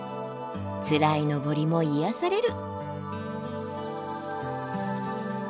つらい登りも癒やされる。